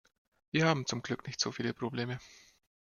Wir haben zum Glück nicht so viele Probleme.